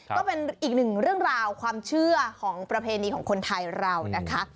ก็เป็นอีกหนึ่งเรื่องราวความเชื่อของประเพณีของคนไทยเรานะคะ